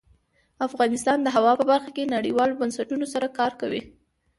افغانستان د هوا په برخه کې نړیوالو بنسټونو سره کار کوي.